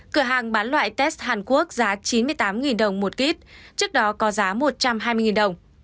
cửa hàng bán loại test hàn quốc giá chín mươi tám đồng một kg trước đó có giá một trăm hai mươi đồng